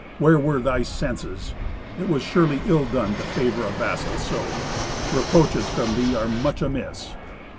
Where were thy senses? It was surely ill done to favor a vassal so. Reproaches from thee are much amiss."